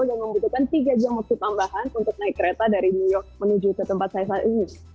dan membutuhkan tiga jam waktu tambahan untuk naik kereta dari new york menuju ke tempat saya saat ini